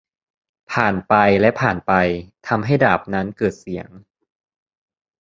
ผ่านไปและผ่านไป ทำให้ดาบนั้นเกิดเสียง